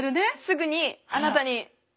すぐにあなたに。